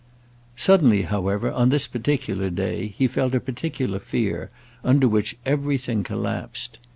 Suddenly, however, on this particular day, he felt a particular fear under which everything collapsed.